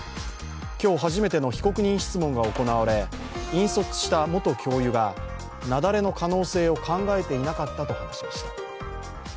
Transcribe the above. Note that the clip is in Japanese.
今日、初めての被告人質問が行われ引率した元教諭が雪崩の可能性を考えていなかったと話しました